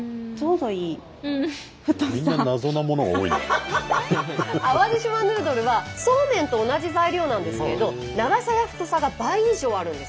どるはそうめんと同じ材料なんですけど長さや太さが倍以上あるんです。